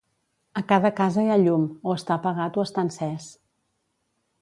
A cada casa hi ha llum: o està apagat o està encès.